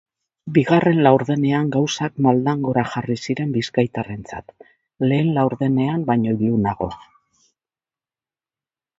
Bigarren laurdenean gauzak maldan gora jarri ziren bizkaitarrentzat, lehen laurdenean baino ilunago.